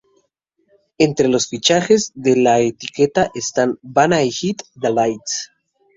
Entre los fichajes de la etiqueta están Vanna y Hit the Lights.